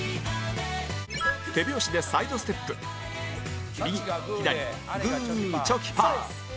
手拍子でサイドステップ右左グーチョキパー